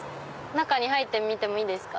中に入ってみてもいいですか？